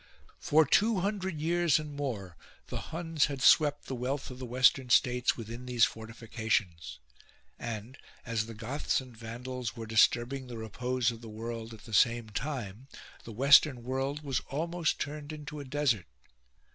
For two hundred years and more the Huns had swept the wealth of the western states within these fortifications, and as the Goths and Vandals were disturbing the repose of the world at the same time the western world was almost turned into a desert.